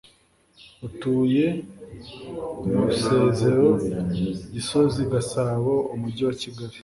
utuye Musezero GisoziGasabo Umujyiwa Kigali